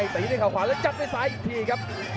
ปิ๊บถึงด้วยเข้าขวาแล้วจับด้วยซายอีกทีครับ